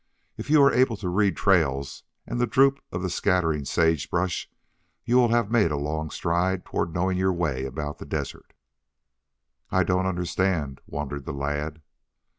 If you are able to read trails and the droop of the scattering sage brush you will have made a long stride toward knowing your way about the desert." "I don't understand," wondered the lad.